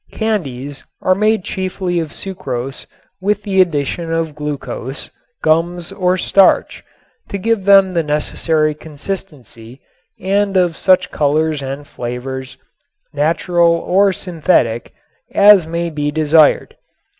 Candies are made chiefly of sucrose with the addition of glucose, gums or starch, to give them the necessary consistency and of such colors and flavors, natural or synthetic, as may be desired.